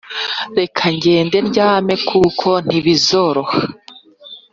Reka njyende ryame kuko ntibizoroha